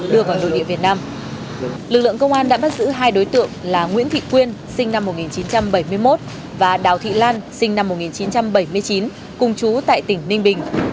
lực lượng công an đã bắt giữ hai đối tượng là nguyễn thị quyên sinh năm một nghìn chín trăm bảy mươi một và đào thị lan sinh năm một nghìn chín trăm bảy mươi chín cùng chú tại tỉnh ninh bình